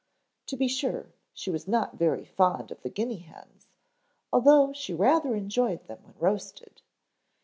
To be sure, she was not very fond of the guinea hens, although she rather enjoyed them when roasted.